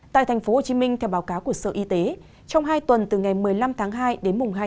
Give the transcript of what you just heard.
tại tp hcm theo báo cáo của sở y tế trong hai tuần từ ngày một mươi năm tháng hai đến mùng hai tháng chín